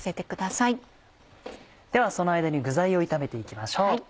ではその間に具材を炒めて行きましょう。